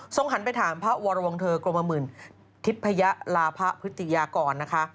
ทรงหันไปถามพระวรวงเทอร์กรมหมื่นทิพยาลาคอและพระพุธิยากรนะคะ